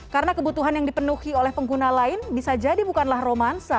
karena kebutuhan yang dipenuhi oleh pengguna lain bisa jadi bukanlah romansa